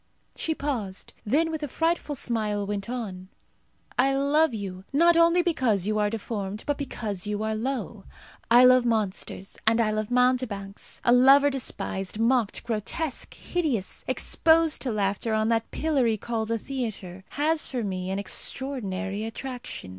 She paused; then with a frightful smile went on, "I love you, not only because you are deformed, but because you are low. I love monsters, and I love mountebanks. A lover despised, mocked, grotesque, hideous, exposed to laughter on that pillory called a theatre, has for me an extraordinary attraction.